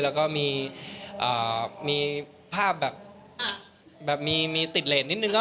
แล้วก็มีภาพแบบมีติดเลสนิดนึง